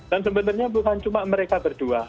dan sebenarnya bukan cuma mereka berdua